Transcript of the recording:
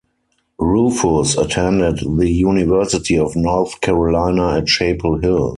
Rufus attended the University of North Carolina at Chapel Hill.